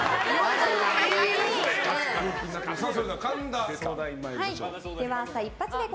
それでは神田さん参りましょう。